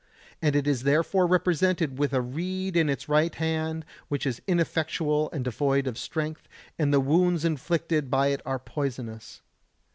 And it is therefore represented with a reed in its right hand which is ineffectual and devoid of strength, and the wounds inflicted by it are poisonous.